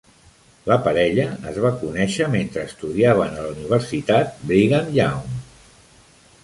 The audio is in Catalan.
La parella es va conèixer mentre estudiaven a la Universitat Brigham Young.